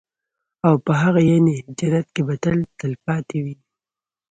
او په هغه يعني جنت كي به تل تلپاتي وي